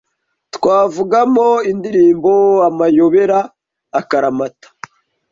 twavugamo indirimbo“ Amayobera”,”akaramata